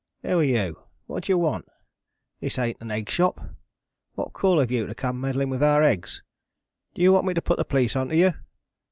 Who are you? What do you want? This ain't an egg shop. What call have you to come meddling with our eggs? Do you want me to put the police on to you?